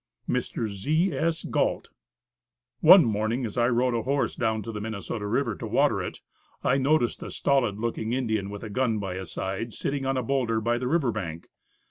Mr. Z. S. Gault. One morning as I rode a horse down to the Minnesota River to water it, I noticed a stolid looking Indian, with a gun by his side, sitting on a boulder by the river bank.